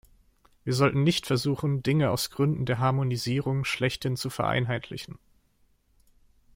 Wir sollten nicht versuchen, Dinge aus Gründen der Harmonisierung schlechthin zu vereinheitlichen.